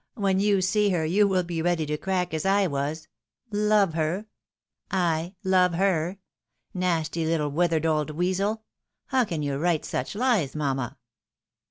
when you see her you wiU be ready to crack, as I was — Love her !—/ love her! Nasty little withered old weasel! — How can you vraite such Ues, mamma?